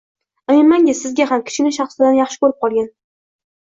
Aminmanki, sizga ham, Kichkina shahzodani yaxshi ko‘rib qolgan